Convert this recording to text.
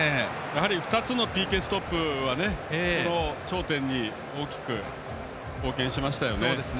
２つのＰＫストップはやはり頂点に大きく貢献しましたよね。